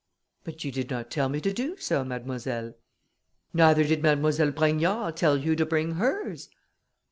"But you did not tell me to do so, Mademoiselle." "Neither did Mademoiselle Brogniard tell you to bring hers."